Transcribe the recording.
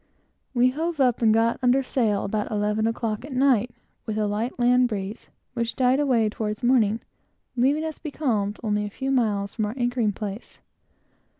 We hove up and got under sail about eleven o'clock at night, with a light land breeze, which died away toward morning, leaving us becalmed only a few miles from our anchoring place.